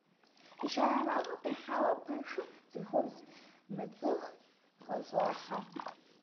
Ещанэ махуэр къихьауэ пэшым цӀыхубз мыцӀыху къыщӀохьэ.